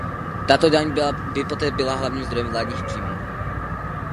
Tato daň by poté byla hlavním zdrojem vládních příjmů.